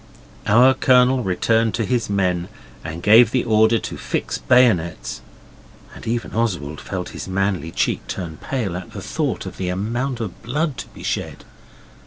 Our Colonel returned to his men and gave the order to fix bayonets, and even Oswald felt his manly cheek turn pale at the thought of the amount of blood to be shed.